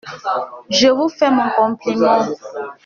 Je vous fais mon compliment.